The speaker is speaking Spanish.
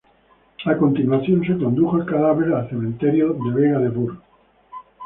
A continuación se condujo el cadáver al cementerio de Vega de Bur.